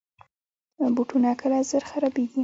بوټونه کله زر خرابیږي.